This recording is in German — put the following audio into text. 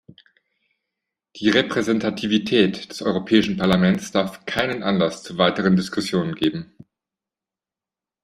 Die Repräsentativität des Europäischen Parlaments darf keinen Anlass zu weiteren Diskussionen geben.